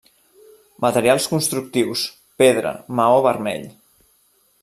Materials constructius: pedra, maó vermell.